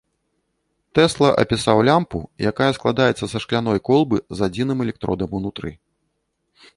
Тэсла апісаў лямпу, якая складаецца са шкляной колбы з адзіным электродам унутры.